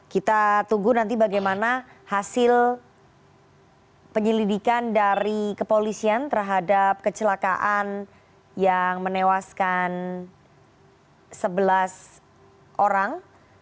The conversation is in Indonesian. kita tunggu nanti bagaimana hasil penyelidikan dari kepolisian terhadap kecelakaan yang menewaskan sebelas orang